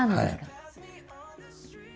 はい。